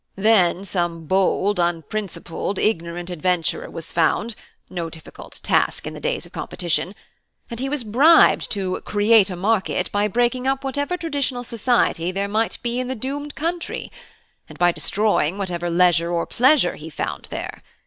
Then some bold, unprincipled, ignorant adventurer was found (no difficult task in the days of competition), and he was bribed to 'create a market' by breaking up whatever traditional society there might be in the doomed country, and by destroying whatever leisure or pleasure he found there.